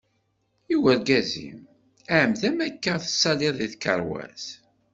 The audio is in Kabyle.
I urgaz-im? iɛemmed-am akka ad tettalliḍ di tkerwas?